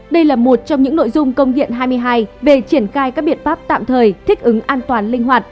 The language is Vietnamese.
đây là một trong những nội dung công điện hai mươi hai về triển khai các biện pháp tạm thời thích ứng an toàn linh hoạt